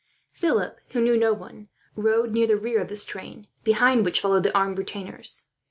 Philip, who knew no one, rode near the rear of this train, behind which followed the armed retainers.